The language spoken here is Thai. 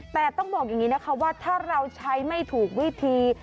แต่ต้องบอกอย่างนี้นะคะว่าถ้าเราใช้ไม่ถูกวิธี